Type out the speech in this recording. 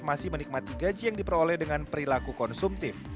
masih menikmati gaji yang diperoleh dengan perilaku konsumtif